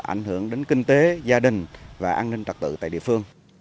ảnh hưởng đến kinh tế gia đình và an ninh trật tự tại địa phương